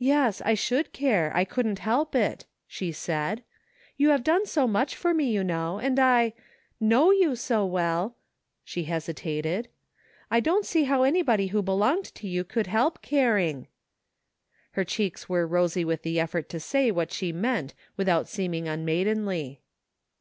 Yes, I should care, I couldn't help it," she said, You have done so much for me you know, and I — know you so well ^" she hesitated, " I don't see how anybody who belonged to you could help caring." Her cheeks were rosy with the effort to say what she meant without seeming unmaidenly.